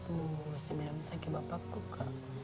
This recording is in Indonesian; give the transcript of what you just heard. eh dulu waktu sembilan delapan bapakku kak